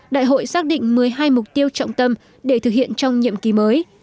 đại hội xác định một mươi hai mục tiêu trọng tâm để thực hiện trong nhiệm kỳ mới